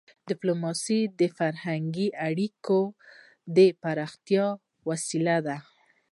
ډيپلوماسي د فرهنګي اړیکو د پراختیا وسیله ده.